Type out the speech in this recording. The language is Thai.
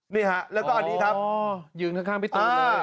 นี่ฮะแล้วก็อันนี้ครับโอ้โฮอยู่ข้างพี่ตูนเลย